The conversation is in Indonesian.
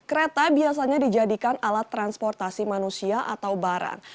kereta biasanya dijadikan alat transportasi manusia atau barang